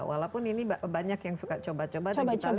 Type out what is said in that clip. walaupun ini banyak yang suka coba coba deh kita lihat